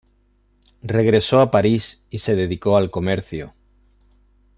Regresó a París y se dedicó al comercio.